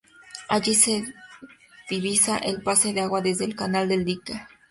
Allí se divisa el pase de agua desde el Canal del Dique.